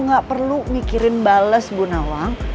aduh gak perlu mikirin bales bu nawang